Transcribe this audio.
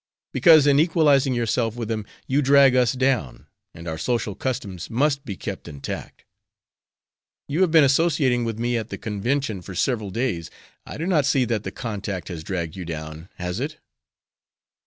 "Because in equalizing yourself with them you drag us down; and our social customs must be kept intact." "You have been associating with me at the convention for several days; I do not see that the contact has dragged you down, has it?"